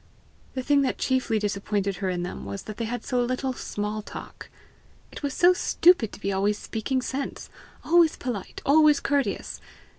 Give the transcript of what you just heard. The thing that chiefly disappointed her in them was, that they had so little small talk. It was so stupid to be always speaking sense! always polite! always courteous!